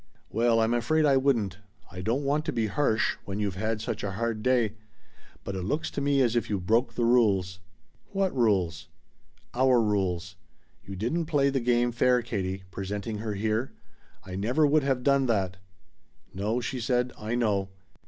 "Well, I'm afraid I wouldn't. I don't want to be harsh when you've had such a hard day, but it looks to me as if you broke the rules." "What rules?" "Our rules. You didn't play the game fair, Katie presenting her here. I never would have done that." "No," she said, "I know.